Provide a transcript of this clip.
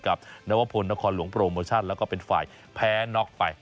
นวพลนครหลวงโปรโมชั่นแล้วก็เป็นฝ่ายแพ้น็อกไป